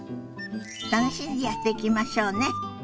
楽しんでやっていきましょうね。